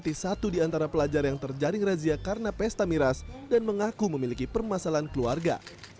satpol pp mengatasi satu di antara pelajar yang terjaring razi akibat pesta miras dan mengaku memiliki permasalahan keluarga